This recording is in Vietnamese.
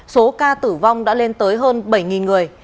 số ca tử vong đã lên tới hơn bảy người